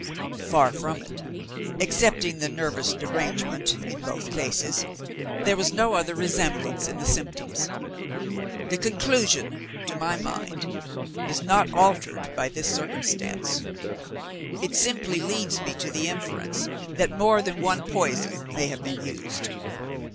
"Far from it. Excepting the nervous derangement, in both cases, there was no other resemblance in the symptoms. The conclusion, to my mind, is not altered by this circumstance. It simply leads me to the inference that more than one poison may have been used.